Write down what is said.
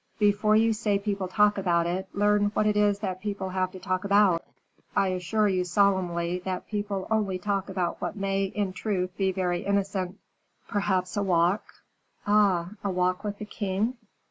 "Before you say people talk about it, learn what it is that people have to talk about. I assure you solemnly, that people only talk about what may, in truth, be very innocent; perhaps a walk " "Ah! a walk with the king?"